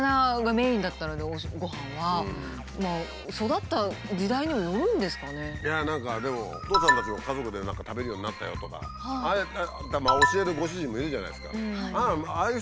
育ったいや何かでもおとうさんたちも家族で食べるようになったよとかああやって教えるご主人もいるじゃないですか。